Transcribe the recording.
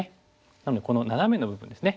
なのでこのナナメの部分ですね。